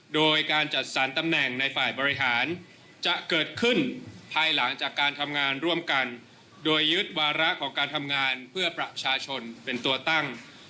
โดยการจัดสรรตำแหน่งในฝ่ายบริหารจะเกิดขึ้นภายหลังจากการทำงานร่วมกันโดยยึดวาระของการทำงานเพื่อประชาชนเป็นตัวตั้ง